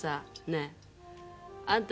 えあんた